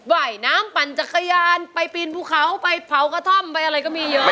ว่ายน้ำปั่นจักรยานไปปีนภูเขาไปเผากระท่อมไปอะไรก็มีเยอะ